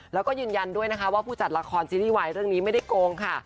แล้วก็ยืนยันด้วยนะคะว่าผู้จัดละครซีรีส์วายเรื่องนี้ไม่ได้โกงค่ะ